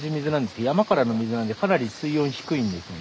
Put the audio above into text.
山からの水なんでかなり水温低いんですよ。